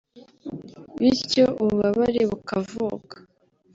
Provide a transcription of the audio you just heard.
bityo ububabare bukavuka